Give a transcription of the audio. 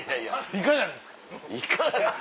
「いかがですか？」